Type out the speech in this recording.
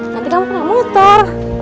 nanti kamu kena motor